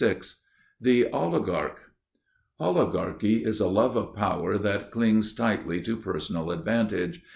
XXVI The Oligarch (Ὀλιγαρχία) Oligarchy is a love of power that clings tightly to personal advantage.